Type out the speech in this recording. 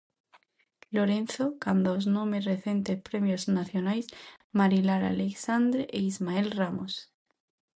Lorenzo, canda aos nomes recentes premios nacionais Marilar Aleixandre e Ismael Ramos.